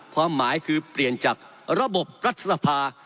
ความหมายคือเปลี่ยนจากระบบรัฐสภา